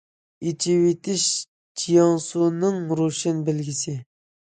ئېچىۋېتىش جياڭسۇنىڭ روشەن بەلگىسى.